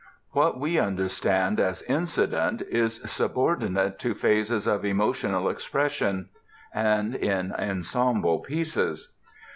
What we understand as "incident" is subordinate to phases of emotional expression; and in ensemble pieces.